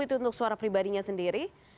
itu untuk suara pribadinya sendiri